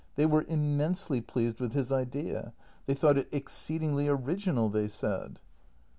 They were immensely pleased with his idea. They thought it exceedingly original, they said.